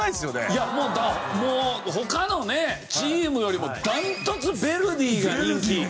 いやもう他のねチームよりも断トツヴェルディが人気。